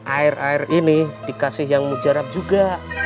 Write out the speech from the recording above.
air air ini dikasih yang mujarab juga